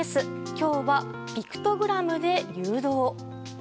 今日はピクトグラムで誘導。